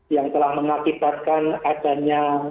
yang telah mengakibatkan adanya